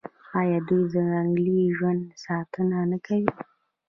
آیا دوی د ځنګلي ژوند ساتنه نه کوي؟